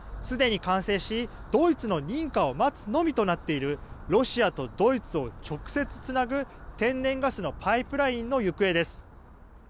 すでに完成し、ドイツの認可を待つのみとなっているロシアとドイツを直接つなぐ天然ガスのパイプラインの行方です。